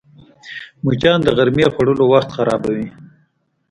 مچان د غرمې خوړلو وخت خرابوي